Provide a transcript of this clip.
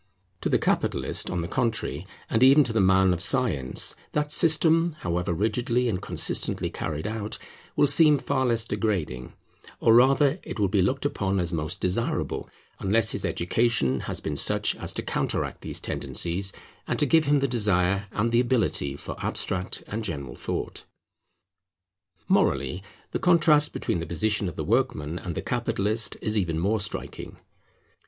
To the capitalist, on the contrary, and even to the man of science, that system, however rigidly and consistently carried out, will seem far less degrading; or rather it will be looked upon as most desirable, unless his education has been such as to counteract these tendencies, and to give him the desire and the ability for abstract and general thought. Morally, the contrast between the position of the workman and the capitalist is even more striking.